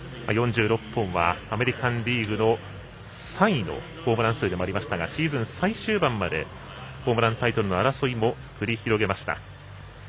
４６本はアメリカンリーグの３位のホームラン数でもありましたがシーズン最終盤までホームランタイトルの争いも繰り広げました。